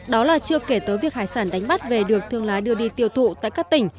đó là chưa kể tới việc hải sản đánh bắt về được thương lái đưa đi tiêu thụ tại các tỉnh